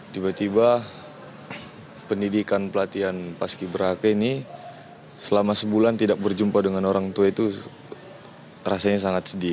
tiba tiba pendidikan pelatihan paski beraka ini selama sebulan tidak berjumpa dengan orang tua itu rasanya sangat sedih